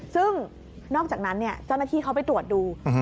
ซึ่งนอกจากนั้นเจ้าหน้าที่เขาไปตรวจดู